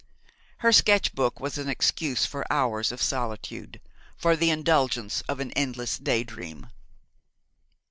Her sketch book was an excuse for hours of solitude, for the indulgence of an endless day dream.